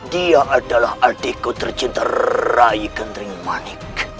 dia adalah adikku tercinta rayi kendring manik